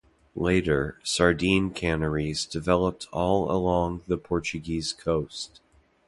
Later, sardine canneries developed all along the Portuguese coast.